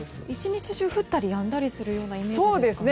１日中降ったりやんだりするイメージですかね。